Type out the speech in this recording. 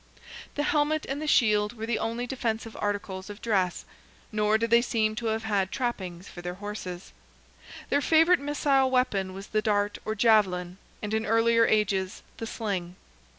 The helmet and the shield were the only defensive articles of dress; nor do they seem to have had trappings for their horses. Their favourite missile weapon was the dart or javelin, and in earlier ages the sling.